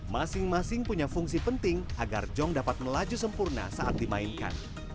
masing masing punya fungsi penting agar jong dapat melaju sempurna saat dimainkan